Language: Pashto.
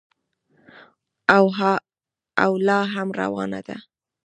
او لا هم روانه ده.